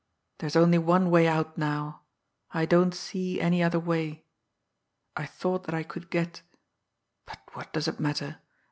There's only one way out now I don't see any other way. I thought that I could get but what does that matter!